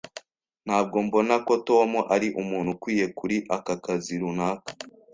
Ntabwo mbona ko Tom ari umuntu ukwiye kuri aka kazi runaka.